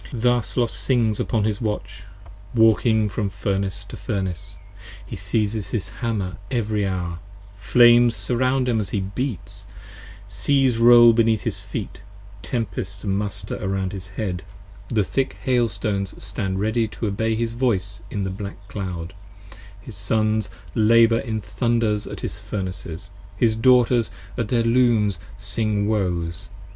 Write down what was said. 1 06 Thus Los sings upon his Watch, walking from Furnace to Furnace. He siezes his Hammer every hour : flames surround him as 35 He beats; seas roll beneath his feet, tempests muster Around his head, the thick hail stones stand ready to obey His voice in the black cloud, his Sons labour in thunders At his Furnaces; his Daughters at their Looms sing woes.